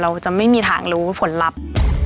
เราจะไม่มีทางรู้ผลลัพธ์